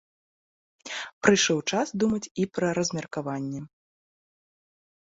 Прыйшоў час думаць і пра размеркаванне.